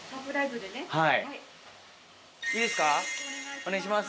お願いします。